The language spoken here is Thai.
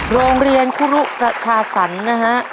โรงเรียนคุรุประชาษันนะฮะ